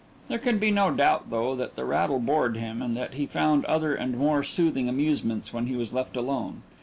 There can be no doubt, though, that the rattle bored him, and that he found other and more soothing amusements when he was left alone.